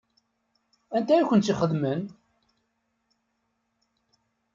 Anta i kent-tt-ixedmen?